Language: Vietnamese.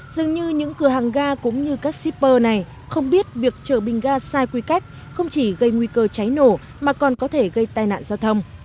các hàng ga cũng như các shipper này không biết việc chở bình ga sai quy cách không chỉ gây nguy cơ cháy nổ mà còn có thể gây tai nạn giao thông